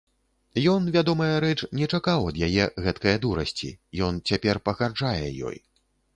Ён, вядомая рэч, не чакаў ад яе гэткае дурасці, ён цяпер пагарджае ёй.